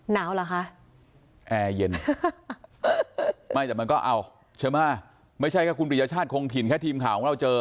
เหรอคะแอร์เย็นไม่แต่มันก็เอาใช่ไหมไม่ใช่แค่คุณปริยชาติคงถิ่นแค่ทีมข่าวของเราเจอ